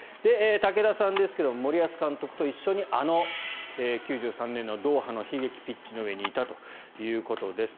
武田さんですが森保監督と一緒にあの９３年のドーハの悲劇ピッチの上にいたということです。